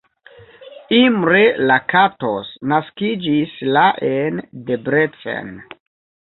Imre Lakatos naskiĝis la en Debrecen.